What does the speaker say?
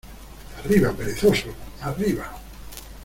¡ arriba, perezoso!... ¡ arriba !